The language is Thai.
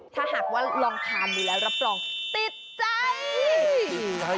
ถ้าหากว่าลองทานดูแล้วรับรองติดใจ